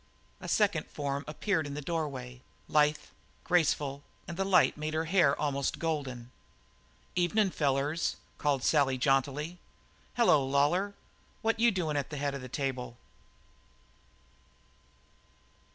A second form appeared in the doorway, lithe, graceful, and the light made her hair almost golden. "Ev'nin', fellers," called Sally jauntily. "Hello, Lawlor; what you doin' at the head of the table?"